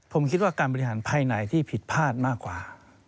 ผมคิดว่าการบริหารภายในที่ผิดพลาดมากกว่า